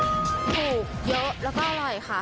ผักเยอะและอร่อยค่ะ